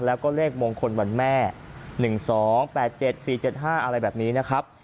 แล้วก็เลขมงคลวันแม่๑๒๘๗๔๗๕อะไรแบบนี้นะครับ